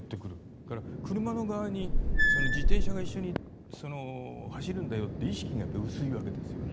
それから車の側に自転車が一緒に走るんだよという意識が薄いわけですよね。